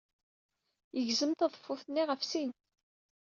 Yegzem taḍeffut-nni ɣef sin.